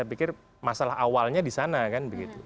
saya pikir masalah awalnya di sana kan begitu